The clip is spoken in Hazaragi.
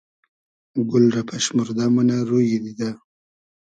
گول رۂ پئشموردۂ مونۂ رویی دیدۂ